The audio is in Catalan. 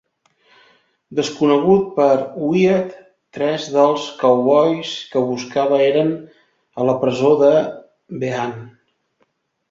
Desconegut per Wyatt, tres dels Cowboys que buscava eren a la presó de Behan.